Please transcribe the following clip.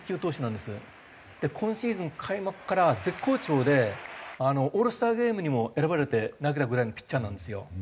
今シーズン開幕から絶好調でオールスターゲームにも選ばれて投げたぐらいのピッチャーなんですよ。